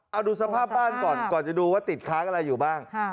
เอาดูสภาพบ้านก่อนก่อนจะดูว่าติดค้างอะไรอยู่บ้าง